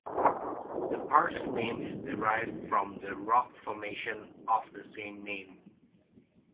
The park's name is derived from the rock formation of the same name.